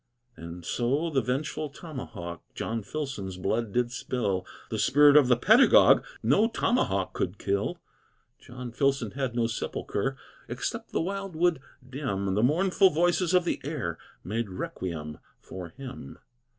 And so the vengeful tomahawk John Filson's blood did spill, The spirit of the pedagogue No tomahawk could kill. John Filson had no sepulchre, Except the wildwood dim; The mournful voices of the air Made requiem for him.